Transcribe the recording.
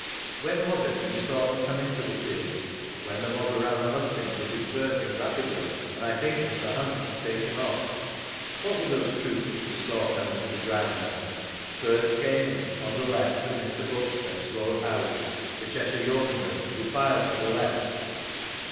■When was it that you saw them come into the field?— Whra the mob around titt hustings were dispersing raindly, and I think Mr. Hunt was taken off. What were those troops that you saw come into the ground then ?— First came in, on the left of Mr. Buxton's row of houses, the Cheshire Yeo manry, who filed to the left.